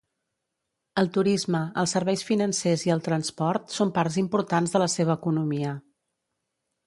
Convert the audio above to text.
El turisme, els serveis financers i el transport són parts importants de la seva economia.